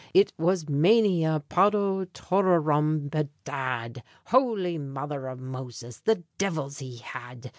It was Mania Pototororum, bedad! Holy Mither av Moses! the divils he had!